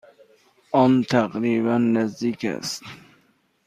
آن تقریبا نزدیک است.